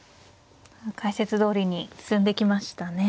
解説どおりに進んできましたね。